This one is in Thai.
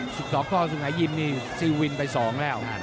สกสงหายยิมนี่สี่วินไปสองแล้ว